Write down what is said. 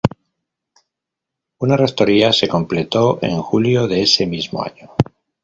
Una rectoría se completó en julio de ese mismo año.